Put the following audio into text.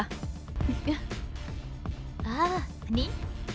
อ่าอันนี้